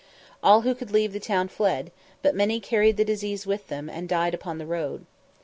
All who could leave the town fled; but many carried the disease with them, and died upon the road.